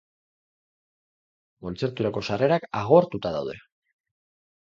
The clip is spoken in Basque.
Kontzerturako sarrerak agortuta daude.